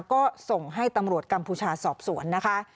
ก็ส่งให้ตำรวจกัมพูชาสอบสวนนะคะ